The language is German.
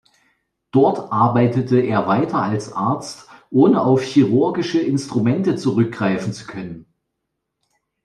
Dort arbeitete er weiter als Arzt, ohne auf chirurgische Instrumente zurückgreifen zu können.